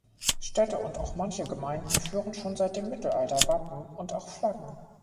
Städte und auch manche Gemeinden führen schon seit dem Mittelalter Wappen und auch Flaggen.